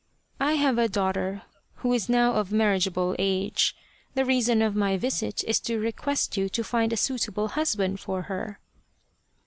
" I have a daughter who is now of a marriageable age. The reason of my visit is to request you to find a suitable husband for her."